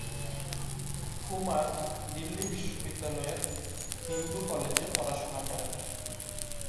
কুমার দিল্লি বিশ্ববিদ্যালয়ের হিন্দু কলেজে পড়াশোনা করেন।